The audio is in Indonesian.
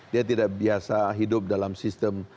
dia tidak biasa hidup dalam sistem